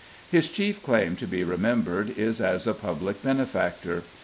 His chief claim to be remembered is as a public benefactor.